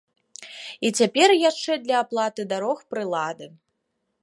І цяпер яшчэ для аплаты дарог прылады.